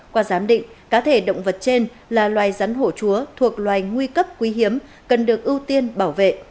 qua giám định cá thể động vật trên là loài rắn hổ chúa thuộc loài nguy cấp quý hiếm cần được ưu tiên bảo vệ